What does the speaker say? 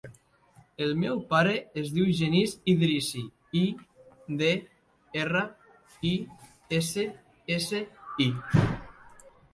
El meu pare es diu Genís Idrissi: i, de, erra, i, essa, essa, i.